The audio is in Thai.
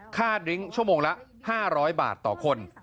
ดริ้งชั่วโมงละ๕๐๐บาทต่อคน